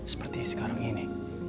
seperti sekarang ini